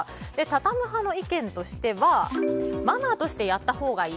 畳む派の意見としてはマナーとしてやったほうがいい。